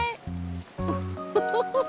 ウフフフ。